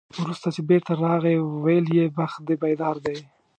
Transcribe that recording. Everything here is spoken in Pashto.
وروسته چې بېرته راغی، ویل یې بخت دې بیدار دی.